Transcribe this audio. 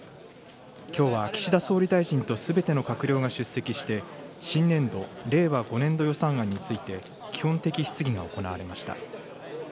きょうは岸田総理大臣とすべての閣僚が出席して、新年度・令和５年度予算案について、基本的質疑が行われました。